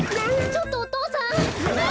ちょっとお父さん。